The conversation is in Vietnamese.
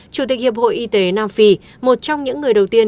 chủ tịch hiệp hội y tế nam phi một trong những người đầu tiên